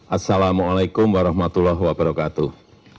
assalamu'alaikum warahmatullahi wabarakatuh